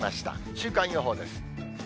週間予報です。